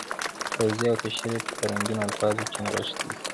توضیح او تشریح په رنګینو الفاظو کې نغښتي وي.